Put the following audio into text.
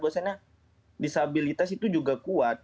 bahwasannya disabilitas itu juga kuat